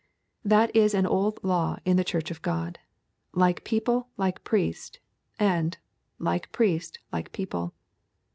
That is an old law in the Church of God: 'like people like priest,' and 'like priest like people.'